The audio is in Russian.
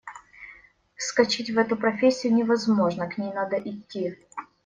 Вскочить в эту профессию невозможно, к ней надо идти.